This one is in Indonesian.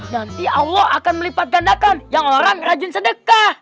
nanti allah akan melipat gandakan yang orang rajin sedekah